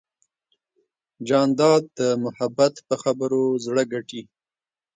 جانداد د محبت په خبرو زړه ګټي.